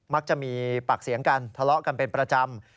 มักจะมีปากเสียงกันทะเลาะกันเป็นประจำ